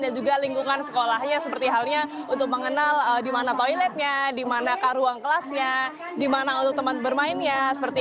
dan juga lingkungan sekolahnya seperti halnya untuk mengenal di mana toiletnya di mana ruang kelasnya di mana untuk teman bermainnya